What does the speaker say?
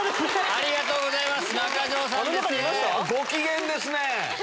ありがとうございます。